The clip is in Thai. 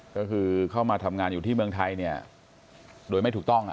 ก็คือเข้ามาทำงานอยู่ที่เมืองไทยเนี่ยโดยไม่ถูกต้อง